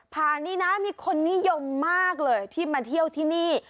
ผ่านนี้นะมีคนนิยมมากเลยที่มาเที่ยวที่นี่